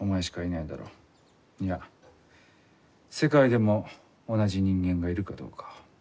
いや世界でも同じ人間がいるかどうか。